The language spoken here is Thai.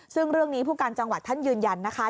ซึ่งเรื่องนี้ผู้การจังหวัดท่านยืนยันนะคะ